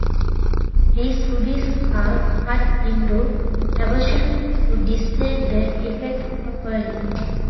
These rubies are cut into cabochons to display the effect properly.